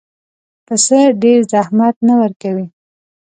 پسه ډېر زحمت نه ورکوي.